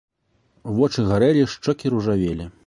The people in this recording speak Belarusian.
Вочы гарэлі, шчокі ружавелі.